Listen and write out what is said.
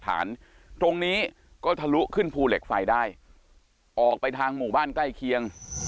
ตรงนี้ก็ทะลุขึ้นภูเหล็กไฟได้ออกไปทางหมู่บ้านใกล้เคียง